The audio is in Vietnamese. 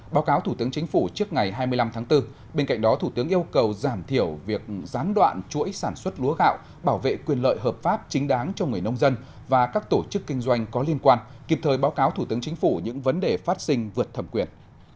báo cáo thủ tướng chính phủ trước ngày hai mươi năm tháng bốn bên cạnh đó thủ tướng yêu cầu giảm thiểu việc gián đoạn chuỗi sản xuất lúa gạo bảo vệ quyền lợi hợp pháp chính đáng cho người nông dân và các tổ chức kinh doanh có liên quan kịp thời báo cáo thủ tướng chính phủ những vấn đề phát sinh vượt thẩm quyền